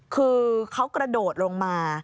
คือเขากระโดดลงมา